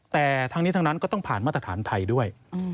แต่ทั้งนี้ทั้งนั้นก็ต้องผ่านมาตรฐานไทยด้วย